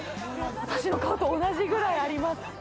私の顔と同じくらいあります。